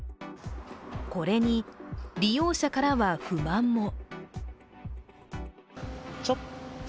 これに、利用者からは不満も。